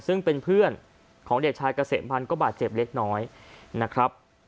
ซึ่งเป็นเพื่อนของเด็กชายเกษมพันธ์ก็บาดเจ็บเล็กน้อยนะครับ